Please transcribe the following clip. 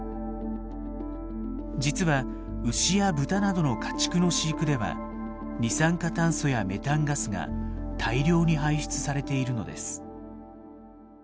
実は牛や豚などの家畜の飼育では二酸化炭素やメタンガスが大量に排出されているのです。